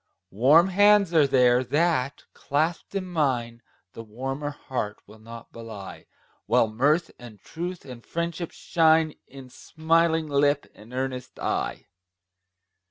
Warm hands are there, that, clasped in mine, The warmer heart will not belie; While mirth, and truth, and friendship shine In smiling lip and earnest eye.